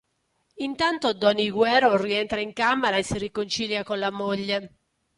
Intanto Don Iguero rientra in camera e si riconcilia con la moglie.